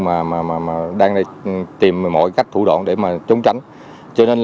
mà đang tìm mọi cách thủ đoạn để chống tránh